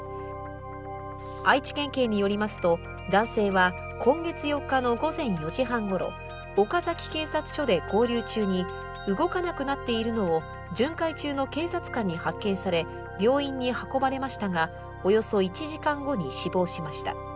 愛知県警によりますと、男性は今月４日の午前４時半ごろ岡崎警察署で勾留中に動かなくなっているのを巡回中の警察官に発見され、病院に運ばれましたがおよそ１時間後に死亡しました。